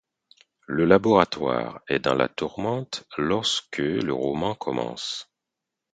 Le laboratoire est dans la tourmente lorsque que le roman commence.